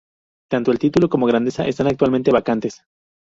Tanto título como Grandeza están actualmente vacantes.